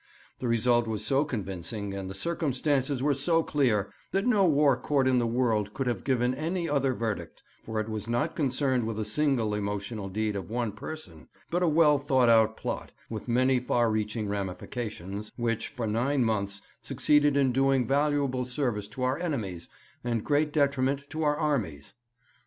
The result was so convincing, and the circumstances were so clear, that no war court in the world could have given any other verdict, for it was not concerned with a single emotional deed of one person, but a well thought out plot, with many far reaching ramifications, which for nine months succeeded in doing valuable service to our enemies and great detriment to our armies.